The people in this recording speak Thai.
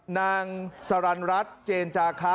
นางสลานรักษณ์เจ็นจาคะ